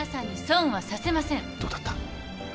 どうだった？